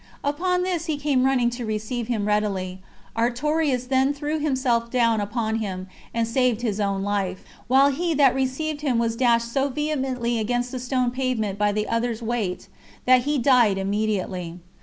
Upon this he came running to receive him readily; Artorius then threw himself down upon him, and saved his own life, while he that received him was dashed so vehemently against the stone pavement by the other's weight, that he died immediately.